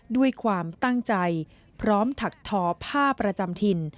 ด้วยความตั้งใจพร้อมถักทอผ้าประจำถิ่น